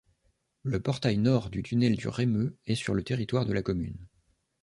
Le portail nord du tunnel du Raimeux est sur le territoire de la commune.